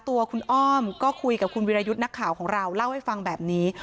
ตัวคุณอ้อมก็คุยกับคุณวิรยุทธ์นักข่าวของเราเล่าให้ฟังแบบนี้